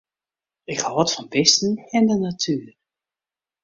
Ik hâld fan bisten en de natuer.